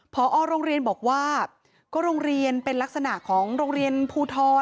พอโรงเรียนบอกว่าก็โรงเรียนเป็นลักษณะของโรงเรียนภูทร